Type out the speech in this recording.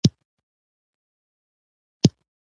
د موادو د فازونو بدلیدو او انرژي اخیستلو تړاو ښودل شوی.